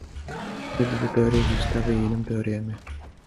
Všechny tyto teorie zůstávají jenom teoriemi.